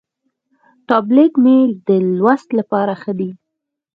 ټابلیټ مې د لوست لپاره ښه دی.